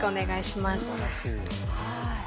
はい。